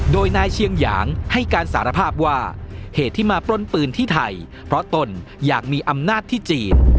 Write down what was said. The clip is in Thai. โดยนายเชียงหยางให้การสารภาพว่าเหตุที่มาปล้นปืนที่ไทยเพราะตนอยากมีอำนาจที่จีน